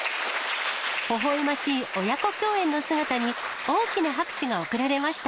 ほほえましい親子共演の姿に、大きな拍手が送られました。